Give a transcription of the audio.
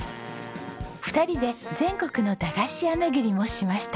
２人で全国の駄菓子屋巡りもしました。